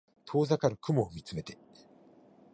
遠ざかる雲を見つめて